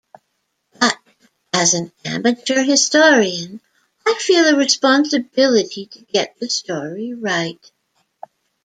But, as an amateur historian, I feel a responsibility to get the story right.